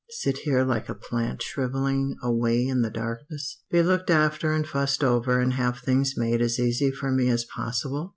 Sit here like a plant shrivelling away in the darkness? Be looked after and fussed over and have things made as easy for me as possible?